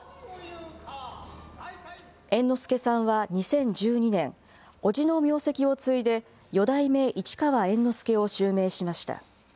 猿之助さんは２０１２年、おじの名跡を継いで四代目市川猿之助を襲名しました。